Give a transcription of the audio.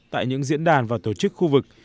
tại những diễn đàn và tổ chức khu vực